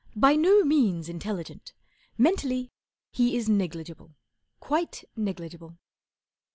By no means intelligent. Mentally he is negligible —quite negligible.